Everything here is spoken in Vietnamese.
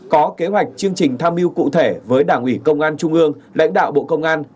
có kế hoạch chương trình tham mưu cụ thể với đảng ủy công an trung ương lãnh đạo bộ công an